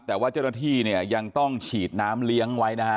แต่ว่าเจ้าหน้าที่เนี่ยยังต้องฉีดน้ำเลี้ยงไว้นะฮะ